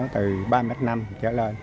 từ ba mét năm trở lên